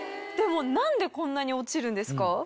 でも何でこんなに落ちるんですか？